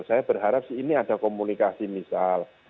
saya berharap sih ini ada komunikasi misal